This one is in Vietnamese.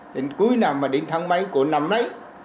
đến cuối năm mà đến tháng mấy của năm đấy